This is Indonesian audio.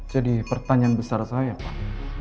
pertanyaan besar saya pak